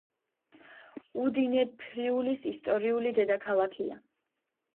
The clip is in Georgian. უდინე ფრიულის ისტორიული დედაქალაქია.